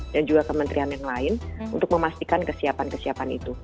dan juga kementerian yang lain untuk memastikan kesiapan kesiapan itu